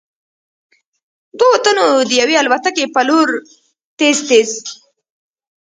دوو تنو د يوې الوتکې په لور تېز تېز �